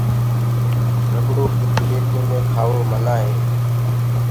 رٻڙو ڪيٚ پليٽي مي کآوو منآه هي۔